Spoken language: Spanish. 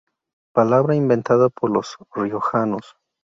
Palabra inventada por los riojanos